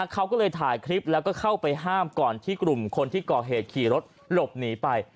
เขาก็เลยถ่ายคลิปแล้วก็เข้าไปห้ามก่อนที่กลุ่มคนที่ก่อเหตุขี่รถหลบหนีไป